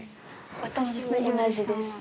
私も同じです。